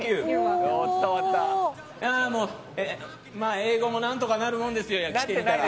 英語も何とかなるもんですよ。来てみたら。